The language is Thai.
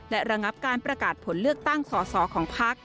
และระงับการประกาศผลเลือกตั้งสอสอของพัก